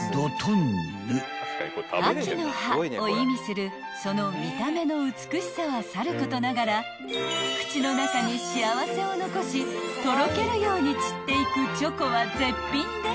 ［秋の葉を意味するその見た目の美しさはさることながら口の中に幸せを残しとろけるように散っていくチョコは絶品です］